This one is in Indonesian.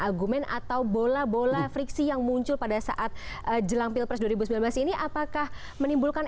argumen atau bola bola friksi yang muncul pada saat jelang pilpres dua ribu sembilan belas ini apakah menimbulkan